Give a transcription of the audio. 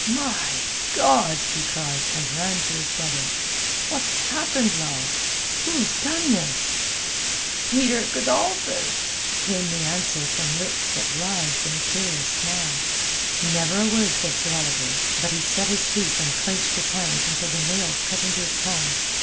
"My God!" he cried, and ran to his brother. "What's happened, Lal? Who has done this?" "Peter Godolphin," came the answer from lips that writhed in a curious smile. Never a word said Sir Oliver, but he set his teeth and clenched his hands until the nails cut into his palms.